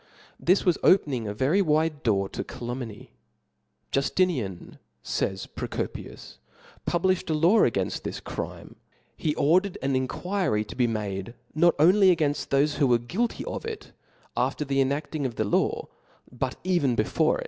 This was opening a very wide door to calumny. •^ Juftiniany fays Procopius C"), puhlijhed a law a ^)J'^^^^ *^ S^inft this crime ; be ordered an enquiry to he made not only againft ibofe who were guilty of itj af* *' ter the enabling of that lawy but even before.